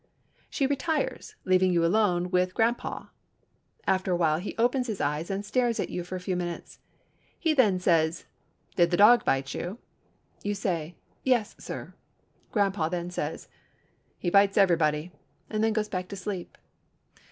She retires, leaving you alone with grampaw. After a while he opens his eyes and stares at you for a few minutes. He then says, "Did the dog bite you?" You answer, "Yes, sir." Grampaw then says, "He bites everybody," and goes back to sleep.